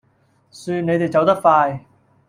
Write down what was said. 算你哋走得快